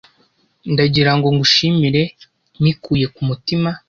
Ndagira ngo ngushimire mikuye ku mutima